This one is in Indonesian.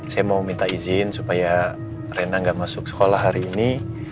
saya mau minta izin supaya rena gak masuk sekolah hari ini